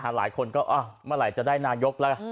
หลายคนก็เมื่อไหร่จะได้นายกแล้ว